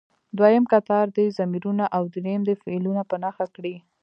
دویم کتار دې ضمیرونه او دریم دې فعلونه په نښه کړي.